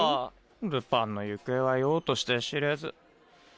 ルパンの行方はようとして知れず。